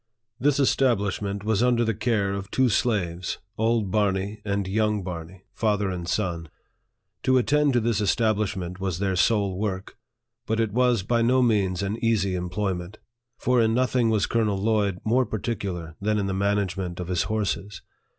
This establishment was under the care of two slaves old Barney and young Barney father and son. To attend to this establishment was their sole work. But it was by no means an easy employment ; for in nothing was Colonel Lloyd more particular than in the management of his horses.